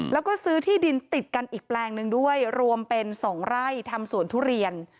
แล้วก็ซื้อที่ดินติดกันอีกแปลงหนึ่งด้วยรวมเป็น๒ไร่ทำสวนทุเรียน